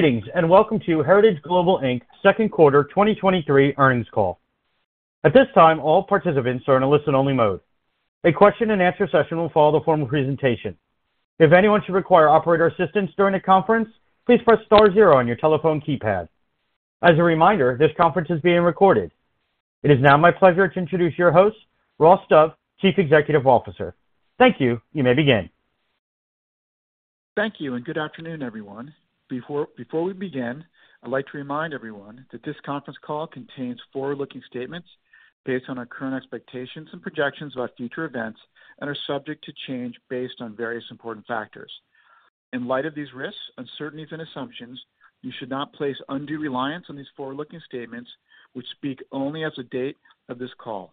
Greetings, and welcome to Heritage Global Inc.'s second quarter 2023 earnings call. At this time, all participants are in a listen-only mode. A question and answer session will follow the formal presentation. If anyone should require operator assistance during the conference, please press star zero on your telephone keypad. As a reminder, this conference is being recorded. It is now my pleasure to introduce your host, Ross Dove, Chief Executive Officer. Thank you. You may begin. Thank you, and good afternoon, everyone. Before we begin, I'd like to remind everyone that this conference call contains forward-looking statements based on our current expectations and projections about future events, and are subject to change based on various important factors. In light of these risks, uncertainties, and assumptions, you should not place undue reliance on these forward-looking statements, which speak only as of date of this call.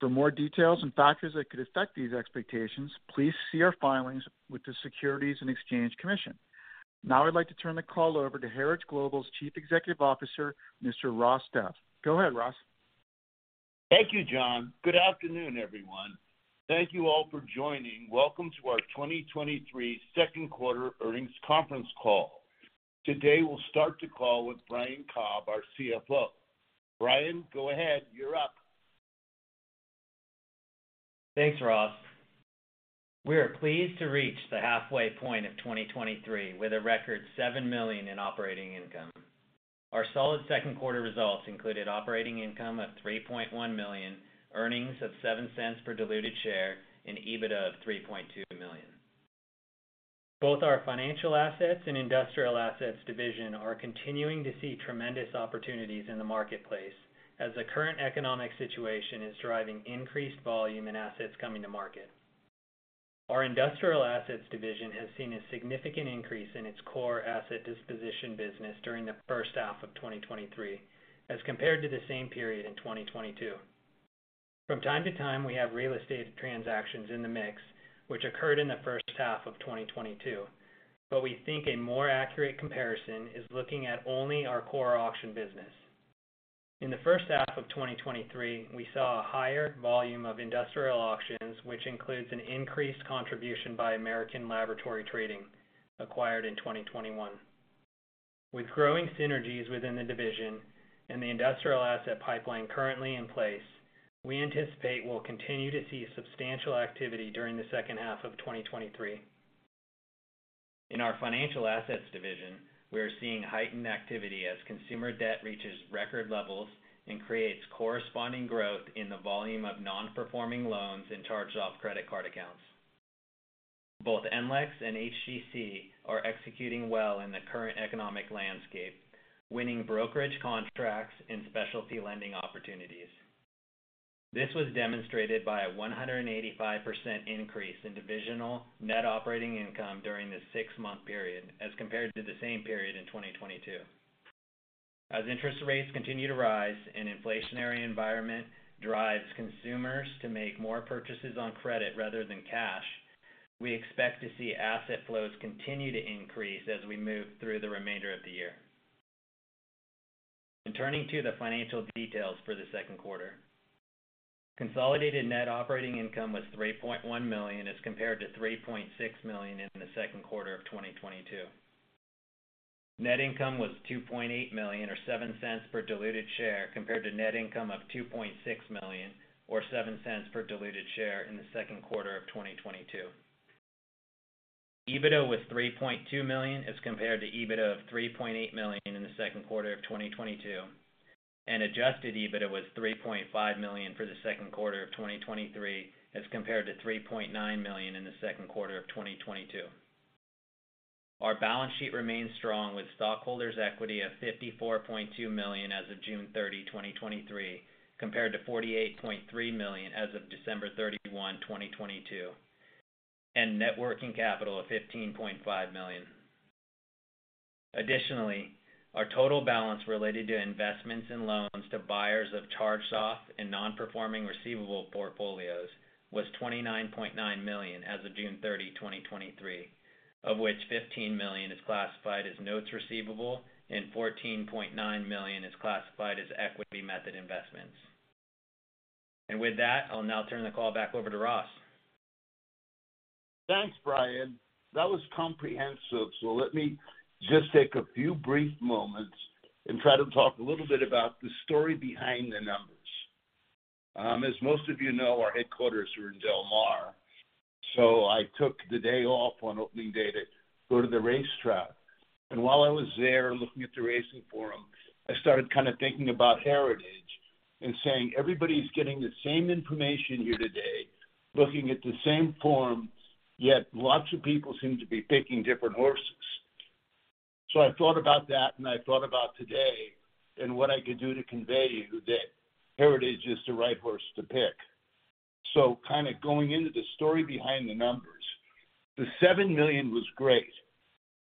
For more details and factors that could affect these expectations, please see our filings with the Securities and Exchange Commission. I'd like to turn the call over to Heritage Global's Chief Executive Officer, Mr. Ross Dove. Go ahead, Ross. Thank you, John. Good afternoon, everyone. Thank you all for joining. Welcome to our 2023 second quarter earnings conference call. Today, we'll start the call with Brian Cobb, our CFO. Brian, go ahead. You're up. Thanks, Ross. We are pleased to reach the halfway point of 2023 with a record 7 million in operating income. Our solid second quarter results included operating income of 3.1 million, earnings of 0.07 per diluted share, and EBITDA of 3.2 million. Both our financial assets and industrial assets division are continuing to see tremendous opportunities in the marketplace, as the current economic situation is driving increased volume and assets coming to market. Our industrial assets division has seen a significant increase in its core asset disposition business during the first half of 2023, as compared to the same period in 2022. From time to time, we have real estate transactions in the mix, which occurred in the first half of 2022, but we think a more accurate comparison is looking at only our core auction business. In the first half of 2023, we saw a higher volume of industrial auctions, which includes an increased contribution by American Laboratory Trading, acquired in 2021. With growing synergies within the division and the industrial asset pipeline currently in place, we anticipate we'll continue to see substantial activity during the second half of 2023. In our financial assets division, we are seeing heightened activity as consumer debt reaches record levels and creates corresponding growth in the volume of non-performing loans and charged-off credit card accounts. Both NLEX and HGC are executing well in the current economic landscape, winning brokerage contracts and specialty lending opportunities. This was demonstrated by a 185% increase in divisional net operating income during the 6-month period, as compared to the same period in 2022. As interest rates continue to rise and inflationary environment drives consumers to make more purchases on credit rather than cash, we expect to see asset flows continue to increase as we move through the remainder of the year. In turning to the financial details for the second quarter. Consolidated net operating income was 3.1 million, as compared to 3.6 million in the second quarter of 2022. Net income was 2.8 million, or 0.07 per diluted share, compared to net income of 2.6 million, or 0.07 per diluted share in the second quarter of 2022. EBITDA was 3.2 million, as compared to EBITDA of 3.8 million in the second quarter of 2022. Adjusted EBITDA was 3.5 million for the second quarter of 2023, as compared to 3.9 million in the second quarter of 2022. Our balance sheet remains strong, with stockholders' equity of 54.2 million as of June 30, 2023, compared to 48.3 million as of December 31, 2022, and net working capital of 15.5 million. Our total balance related to investments in loans to buyers of charged-off and non-performing receivable portfolios was 29.9 million as of June 30, 2023, of which $15 million is classified as notes receivable and 14.9 million is classified as equity method investments. With that, I'll now turn the call back over to Ross. Thanks, Brian. That was comprehensive. Let me just take a few brief moments and try to talk a little bit about the story behind the numbers. As most of you know, our headquarters are in Del Mar, so I took the day off on opening day to go to the race track. While I was there looking at the racing forum, I started kind of thinking about Heritage and saying, "Everybody's getting the same information here today, looking at the same form, yet lots of people seem to be picking different horses." I thought about that and I thought about today, and what I could do to convey to you that Heritage is the right horse to pick. Kind of going into the story behind the numbers, the 7 million was great,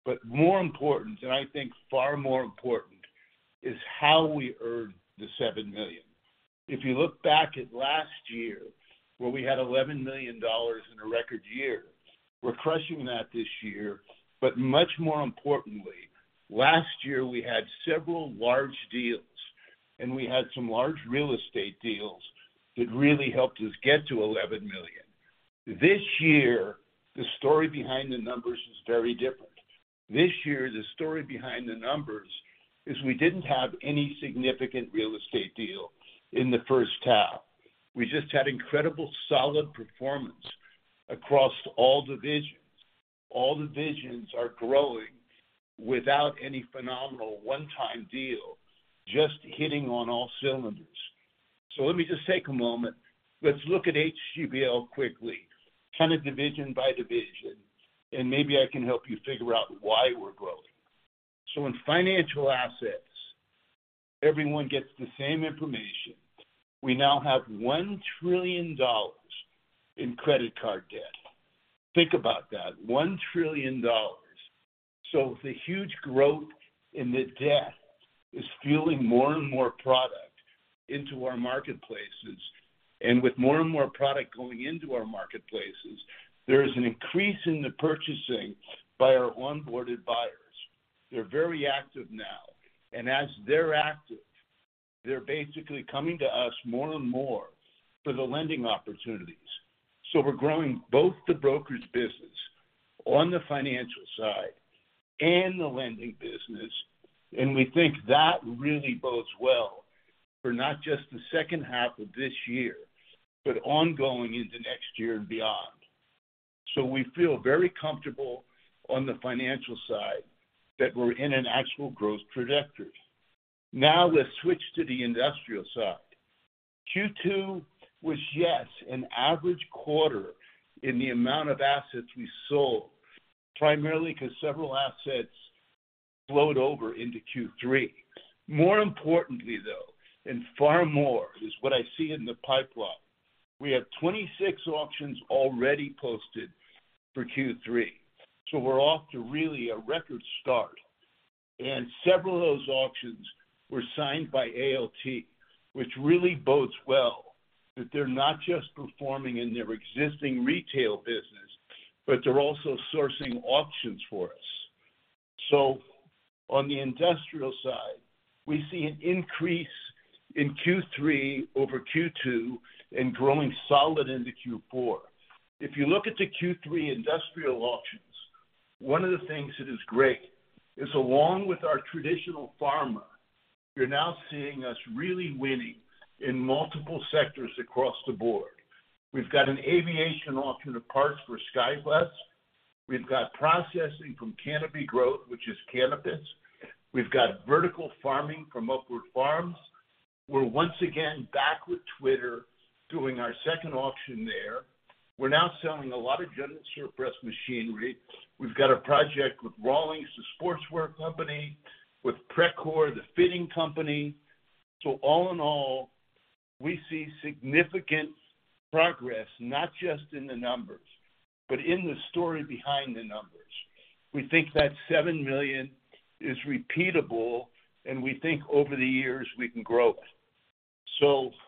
but more important, and I think far more important, is how we earned the 7 million. If you look back at last year, where we had 11 million in a record year, we're crushing that this year. Much more importantly, last year we had several large deals, and we had some large real estate deals that really helped us get to 11 million. This year, the story behind the numbers is very different. This year, the story behind the numbers is we didn't have any significant real estate deal in the first half. We just had incredible, solid performance across all divisions. All divisions are growing without any phenomenal one-time deal, just hitting on all cylinders. Let me just take a moment. Let's look at HGBL quickly, kind of division by division, and maybe I can help you figure out why we're growing. In financial assets, everyone gets the same information. We now have $1 trillion in credit card debt. Think about that, $1 trillion. The huge growth in the debt is fueling more and more product into our marketplaces, and with more and more product going into our marketplaces, there is an increase in the purchasing by our onboarded buyers. They're very active now, and as they're active, they're basically coming to us more and more for the lending opportunities. We're growing both the brokers business on the financial side and the lending business, and we think that really bodes well for not just the second half of this year, but ongoing into next year and beyond. We feel very comfortable on the financial side that we're in an actual growth trajectory. Now, let's switch to the industrial side. Q2 was, yes, an average quarter in the amount of assets we sold, primarily because several assets flowed over into Q3. More importantly, though, and far more, is what I see in the pipeline. We have 26 auctions already posted for Q3, so we're off to really a record start. And several of those auctions were signed by ALT, which really bodes well that they're not just performing in their existing retail business, but they're also sourcing auctions for us. On the industrial side, we see an increase in Q3 over Q2 and growing solid into Q4. If you look at the Q3 industrial auctions, one of the things that is great is along with our traditional pharma, you're now seeing us really winning in multiple sectors across the board. We've got an aviation auction of parts for SkyWest. We've got processing from Canopy Growth, which is cannabis. We've got vertical farming from Upward Farms. We're once again back with Twitter, doing our second auction there. We're now selling a lot of Jensen machinery. We've got a project with Rawlings, the sportswear company, with Precor, the fitting company. All in all, we see significant progress, not just in the numbers, but in the story behind the numbers. We think that 7 million is repeatable, and we think over the years, we can grow it.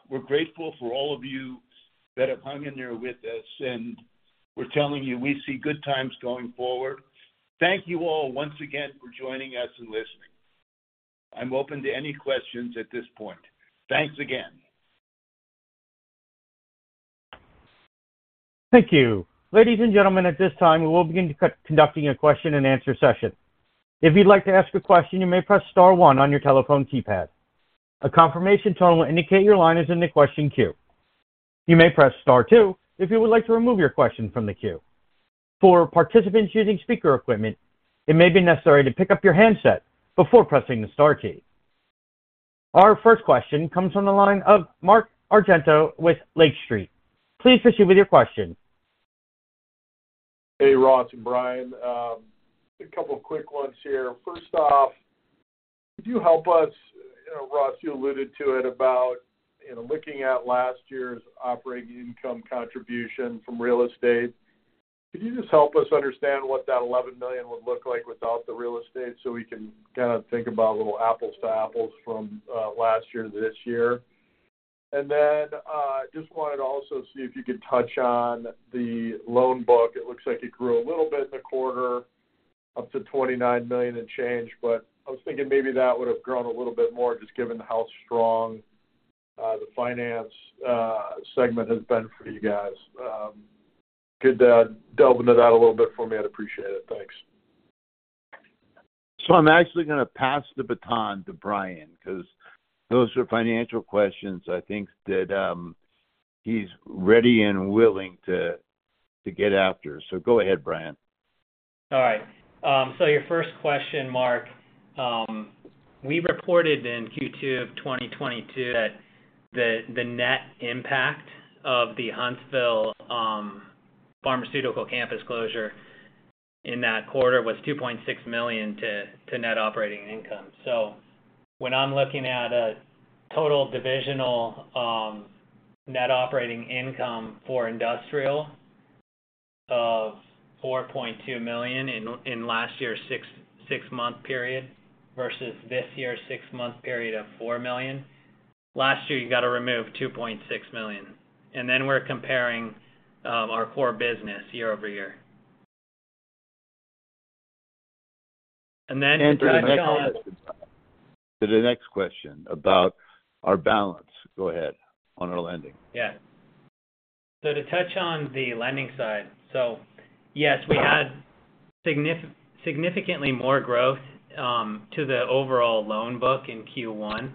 We're grateful for all of you that have hung in there with us, and we're telling you we see good times going forward. Thank you all once again for joining us and listening. I'm open to any questions at this point. Thanks again. Thank you. Ladies and gentlemen, at this time, we will begin to conducting a question and answer session. If you'd like to ask a question, you may press star one on your telephone keypad. A confirmation tone will indicate your line is in the question queue. You may press star two if you would like to remove your question from the queue. For participants using speaker equipment, it may be necessary to pick up your handset before pressing the star key. Our first question comes from the line of Mark Argento with Lake Street. Please proceed with your question. Hey, Ross and Brian. A couple of quick ones here. First off, could you help us, you know, Ross, you alluded to it about, you know, looking at last year's operating income contribution from real estate. Could you just help us understand what that 11 million would look like without the real estate, so we can kind of think about a little apples to apples from last year to this year? Just wanted to also see if you could touch on the loan book. It looks like it grew a little bit in the quarter, up to 29 million and change. I was thinking maybe that would have grown a little bit more, just given how strong the finance segment has been for you guys. Could you dive into that a little bit for me? I'd appreciate it. Thanks. I'm actually gonna pass the baton to Brian, because those are financial questions I think that he's ready and willing to, to get after. Go ahead, Brian. All right. Your first question, Mark, we reported in Q2 of 2022 that the net impact of the Huntsville pharmaceutical campus closure in that quarter was 2.6 million to net operating income. When I'm looking at a total divisional net operating income for industrial of 4.2 million in last year's six-month period versus this year's six-month period of 4 million. Last year, you got to remove 2.6 million, and then we're comparing our core business year-over-year. Then to the next question about our balance. Go ahead, on our lending. Yeah. To touch on the lending side, so yes, we had significantly more growth to the overall loan book in Q1.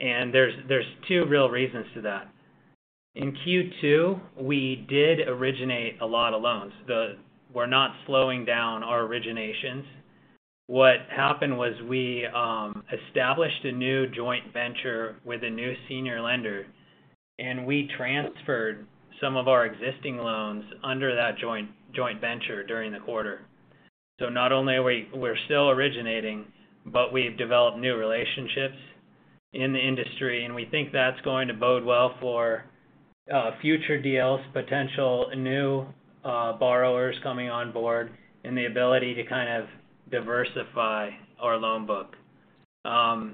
There's two real reasons to that. In Q2, we did originate a lot of loans. We're not slowing down our originations. What happened was we established a new joint venture with a new senior lender, and we transferred some of our existing loans under that joint venture during the quarter. Not only we're still originating, but we've developed new relationships in the industry, and we think that's going to bode well for future deals, potential new borrowers coming on board, and the ability to kind of diversify our loan book. I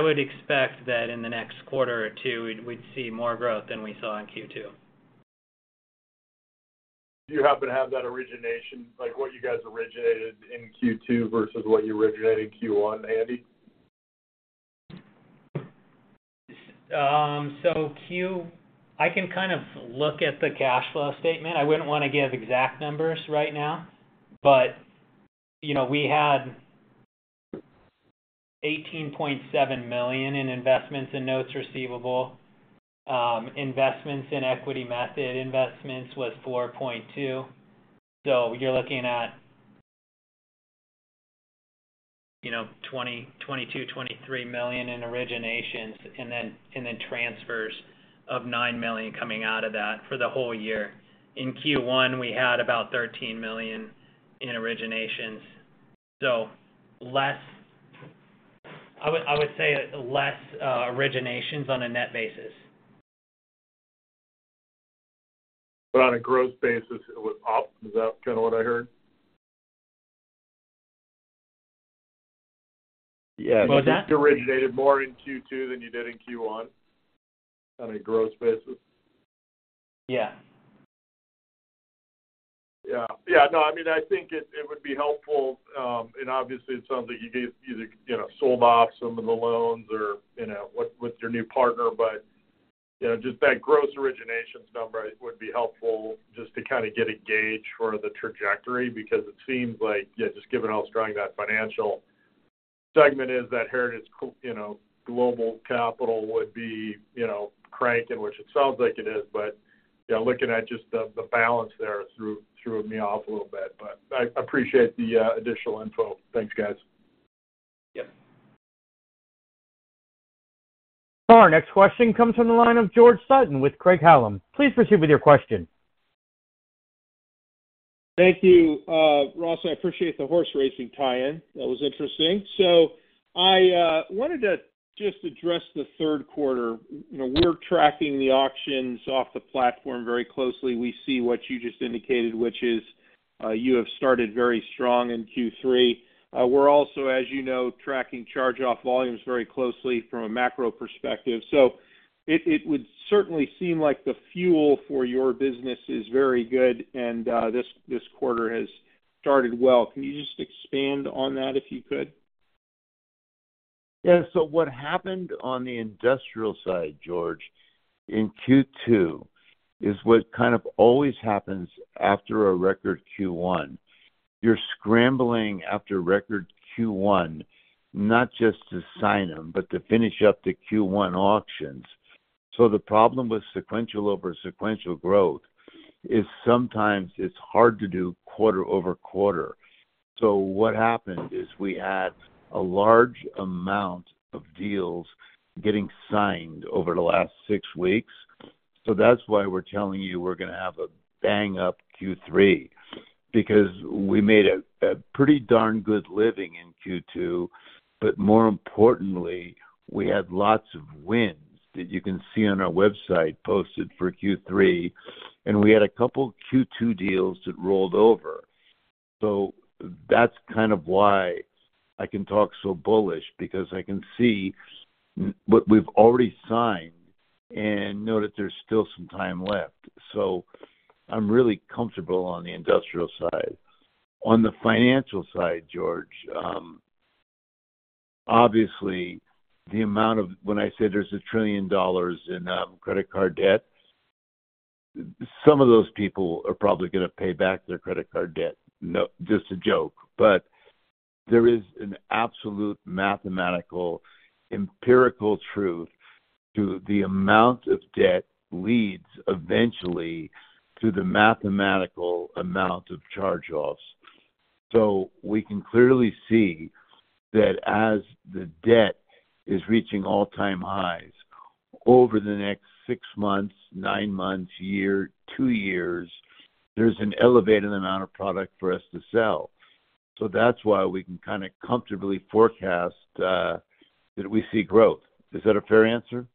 would expect that in the next quarter or two, we'd see more growth than we saw in Q2. Do you happen to have that origination, like what you guys originated in Q2 versus what you originated in Q1, Andy? I can kind of look at the cash flow statement. I wouldn't want to give exact numbers right now, but, you know, we had 18.7 million in investments and notes receivable. Investments in equity method, investments was 4.2 million. You're looking at, you know, 20 million, 22 million, 23 million in originations, and then, and then transfers of 9 million coming out of that for the whole year. In Q1, we had about 13 million in originations. Less... I would, I would say less originations on a net basis. On a gross basis, it was up. Is that kinda what I heard? Yeah- You originated more in Q2 than you did in Q1, on a gross basis? Yeah. Yeah. Yeah, no, I mean, I think it, it would be helpful, and obviously, it sounds like you guys either, you know, sold off some of the loans or, you know, with, with your new partner, but, you know, just that gross originations number would be helpful just to kind of get a gauge for the trajectory, because it seems like, yeah, just given how strong that financial segment is, that Heritage Global Capital would be, you know, cranking, which it sounds like it is. You know, looking at just the, the balance there, threw, threw me off a little bit, but I appreciate the additional info. Thanks, guys. Yeah. Our next question comes from the line of George Sutton with Craig-Hallum. Please proceed with your question. Thank you, Ross. I appreciate the horse racing tie-in. That was interesting. I wanted to just address the third quarter. You know, we're tracking the auctions off the platform very closely. We see what you just indicated, which is, you have started very strong in Q3. We're also, as you know, tracking charged-off volumes very closely from a macro perspective. It, it would certainly seem like the fuel for your business is very good, and, this, this quarter has started well. Can you just expand on that, if you could? Yeah. What happened on the industrial side, George, in Q2, is what kind of always happens after a record Q1. You're scrambling after record Q1, not just to sign them, but to finish up the Q1 auctions. The problem with sequential-over-sequential growth, is sometimes it's hard to do quarter-over-quarter. What happened is we had a large amount of deals getting signed over the last 6 weeks. That's why we're telling you we're going to have a bang-up Q3, because we made a, a pretty darn good living in Q2, but more importantly, we had lots of wins that you can see on our website posted for Q3, and we had a couple Q2 deals that rolled over. That's kind of why I can talk so bullish, because I can see what we've already signed and know that there's still some time left. I'm really comfortable on the industrial side. On the financial side, George, obviously, the amount of... When I say there's a $1 trillion in credit card debt, some of those people are probably going to pay back their credit card debt. No, just a joke. There is an absolute mathematical, empirical truth to the amount of debt leads eventually to the mathematical amount of charged-offs. We can clearly see that as the debt is reaching all-time highs over the next six months, nine months, year, two years, there's an elevated amount of product for us to sell. That's why we can kind of comfortably forecast that we see growth. Is that a fair answer?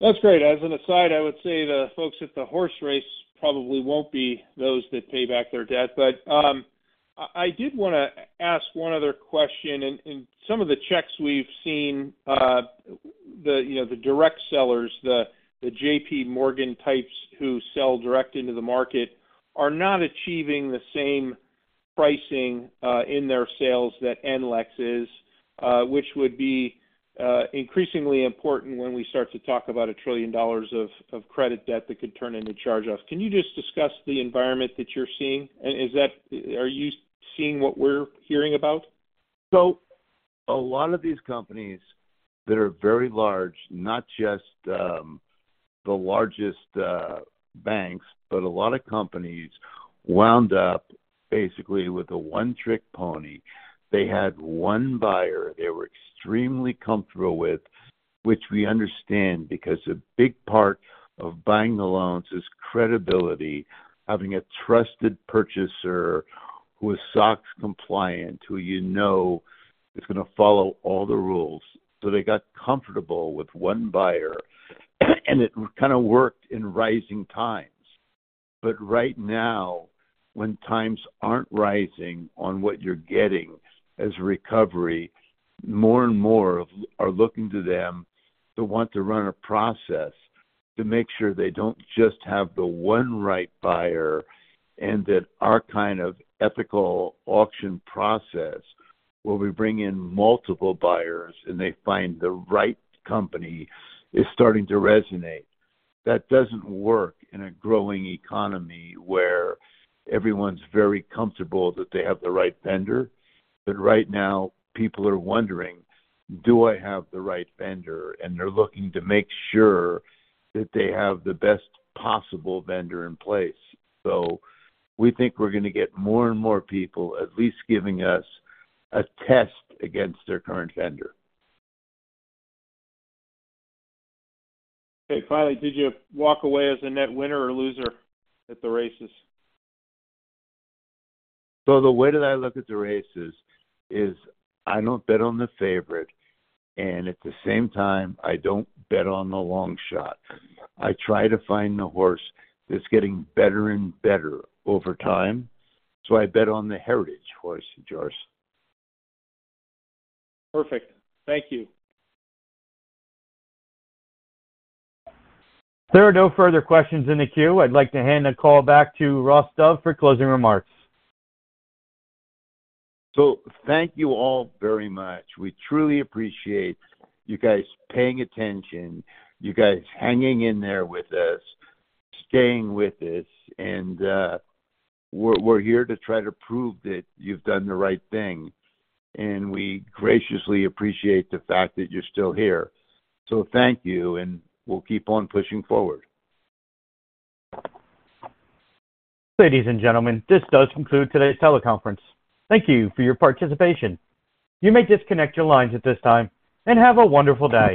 That's great. As an aside, I would say the folks at the horse race probably won't be those that pay back their debt, but. I, I did want to ask one other question. Some of the checks we've seen, the, you know, the direct sellers, the, the JPMorgan types who sell direct into the market, are not achieving the same pricing in their sales that NLEX is, which would be increasingly important when we start to talk about $1 trillion of, of credit debt that could turn into charge-offs. Can you just discuss the environment that you're seeing? Are you seeing what we're hearing about? A lot of these companies that are very large, not just, the largest, banks, but a lot of companies, wound up basically with a one-trick pony. They had one buyer they were extremely comfortable with, which we understand, because a big part of buying the loans is credibility, having a trusted purchaser who is SOX compliant, who you know is going to follow all the rules. They got comfortable with one buyer, and it kind of worked in rising times. Right now, when times aren't rising on what you're getting as recovery, more and more are looking to them to want to run a process to make sure they don't just have the one right buyer, and that our kind of ethical auction process, where we bring in multiple buyers and they find the right company, is starting to resonate. That doesn't work in a growing economy where everyone's very comfortable that they have the right vendor. Right now, people are wondering, "Do I have the right vendor?" They're looking to make sure that they have the best possible vendor in place. We think we're going to get more and more people at least giving us a test against their current vendor. Okay, finally, did you walk away as a net winner or loser at the races? The way that I look at the races is, I don't bet on the favorite, and at the same time, I don't bet on the long shot. I try to find the horse that's getting better and better over time. I bet on the Heritage horse, George. Perfect. Thank you. There are no further questions in the queue. I'd like to hand the call back to Ross Dove for closing remarks. Thank you all very much. We truly appreciate you guys paying attention, you guys hanging in there with us, staying with this, and we're, we're here to try to prove that you've done the right thing, and we graciously appreciate the fact that you're still here. Thank you, and we'll keep on pushing forward. Ladies and gentlemen, this does conclude today's teleconference. Thank you for your participation. You may disconnect your lines at this time, and have a wonderful day.